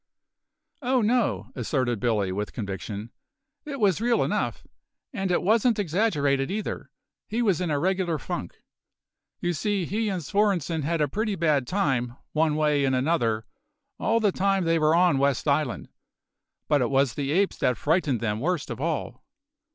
"Oh no," asserted Billy, with conviction; "it was real enough, and it wasn't exaggerated either; he was in a regular funk. You see, he and Svorenssen had a pretty bad time, one way and another, all the time they were on West Island; but it was the apes that frightened them worst of all."